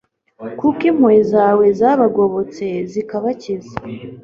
kuko impuhwe zawe zabagobotse, zikabakiza